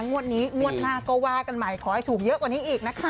งวดนี้งวดหน้าก็ว่ากันใหม่ขอให้ถูกเยอะกว่านี้อีกนะคะ